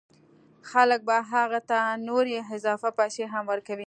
خلک به هغه ته نورې اضافه پیسې هم ورکوي